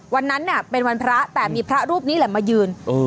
วันนั้นเนี่ยเป็นวันพระแต่มีพระรูปนี้แหละมายืน